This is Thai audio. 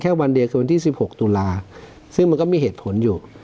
วันเดียวคือวันที่๑๖ตุลาซึ่งมันก็มีเหตุผลอยู่